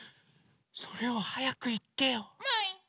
それをはやくいってよ。もい！